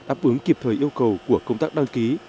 đáp ứng kịp thời yêu cầu của công tác đăng ký